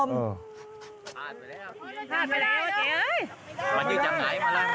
มันอยู่จากไหนมาละ